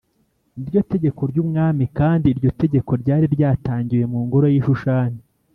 n iryo tegeko ry umwami kandi iryo tegeko ryari ryatangiwe mu ngoro y i Shushani